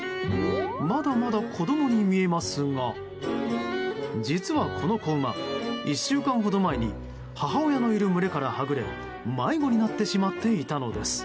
まだまだ子供に見えますが実はこの子馬、１週間ほど前に母親のいる群れからはぐれ迷子になってしまっていたのです。